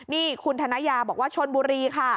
นี่คุณธนยาบอกว่าชนบุรีค่ะ